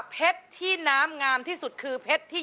เพชต์ที่น้ำงามที่สุดคือ